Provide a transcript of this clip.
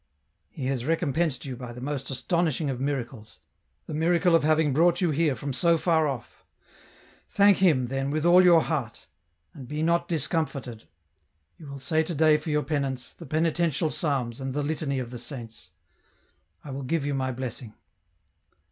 " He has recompensed you by the most astonishing of miracles, the miracle of having brought you here from so far off". Thank Him, then, with all your heart, and be not discomforted. You will say to day for your penance, the Penitential Psalms, and the Litany of the Saints. I will give you my blessing."